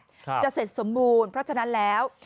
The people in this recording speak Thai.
จะเสร็จสมบูรณ์เพราะฉะนั้นแล้ว